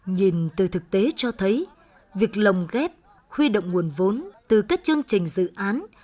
nhìn từ thực tế cho thấy việc lồng ghép huy động nguồn vốn từ các chương trình dự án